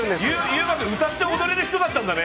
優馬君歌って踊れる人だったんだね！